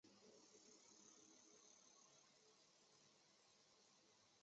构建完成的卡组。